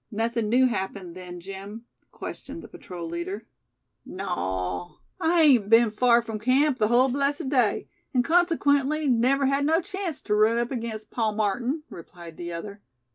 "Nothing new happened, then, Jim?" questioned the patrol leader. "Naw. I hain't been far from camp the hull blessed day; an' consequently never had no chanct tew run up against Pa Martin," replied the other.